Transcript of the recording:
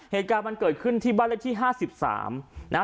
เหตุการณ์มันเกิดขึ้นที่บ้านเลขที่๕๓นะฮะ